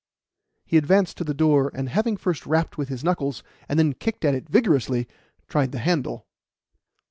He advanced to the door, and having first rapped with his knuckles and then kicked at it vigorously, tried the handle.